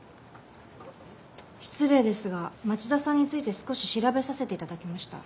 失礼ですが町田さんについて少し調べさせて頂きました。